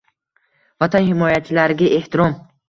Vatan himoyachilariga ehtirom